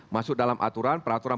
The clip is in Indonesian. masuk dalam aturan peraturan